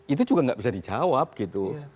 itu juga nggak bisa dijawab gitu